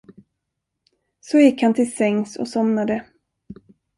Så gick han till sängs och somnade.